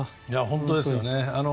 本当ですよね。